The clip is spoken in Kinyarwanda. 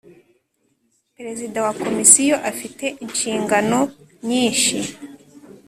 Perezida wa Komisiyo afite inshingano nyishi.